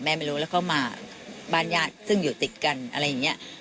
ไม่รู้แล้วก็มาบ้านญาติซึ่งอยู่ติดกันอะไรอย่างนี้